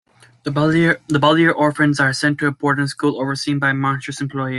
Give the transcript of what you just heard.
The Baudelaire orphans are sent to a boarding school, overseen by monstrous employees.